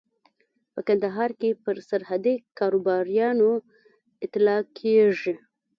په کندهار کې پر سرحدي کاروباريانو اطلاق کېږي.